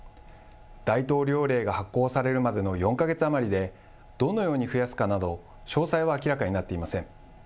大統領令が発効されるまでの４か月余りで、どのように増やすかなど、詳細は明らかになっていません。